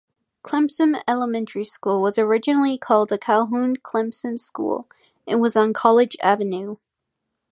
Clemson Elementary School was originally called the Calhoun-Clemson School and was on College Avenue.